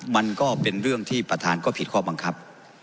มันก็เป็นเรื่องที่ประธานก็ผิดข้อบังคับ